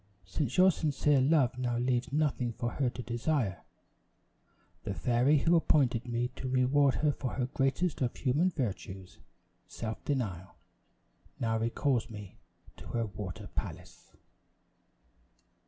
Since your sincere love now leaves nothing for her to desire, the fairy who appointed me to reward her for the greatest of human virtues self denial, now recalls me to her water palace."